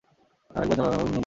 আর একবার চালাবে হুন অভিযান।